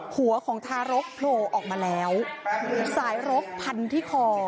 หัวของทารกโผล่ออกมาแล้วสายรกพันที่คอ